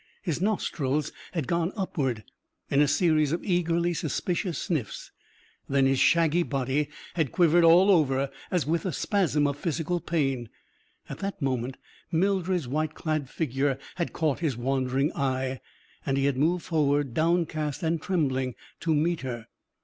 His nostrils had gone upward in a series of eagerly suspicious sniffs. Then, his shaggy body had quivered all over, as if with a spasm of physical pain. At that moment, Mildred's white clad figure had caught his wandering eye. And he had moved forward, downcast and trembling, to meet her.